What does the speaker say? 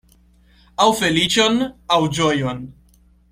Aŭ feliĉon, aŭ ĝojon.